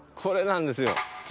これなんですよ。